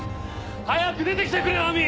早く出て来てくれよ亜美！